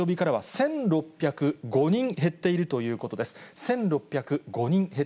１６０５人減っているということです。